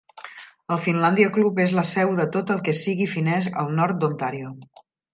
El Finlandia Club és la seu de tot el que sigui finès al nord d'Ontario.